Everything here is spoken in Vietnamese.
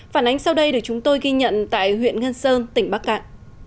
phản ánh sau đây được chúng tôi ghi nhận tại huyện ngân sơn tỉnh bắc cạn